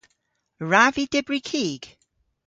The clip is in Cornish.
A wrav vy dybri kig?